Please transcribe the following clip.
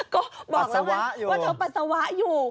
ก็บอกแล้วไงว่าเธอปัสสาวะอยู่